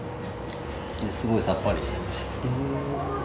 すごいさっぱりしてます。